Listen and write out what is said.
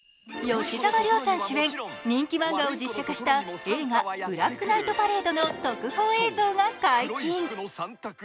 吉沢亮さん主演、人気漫画を実写化した映画「ブラックナイトパレード」の特報映像が解禁。